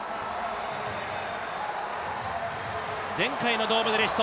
前回の銅メダリスト